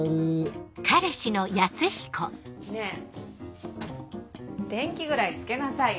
ハァねぇ電気ぐらいつけなさいよ。